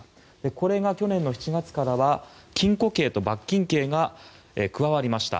これが去年７月からは禁錮刑と罰金刑が加わりました。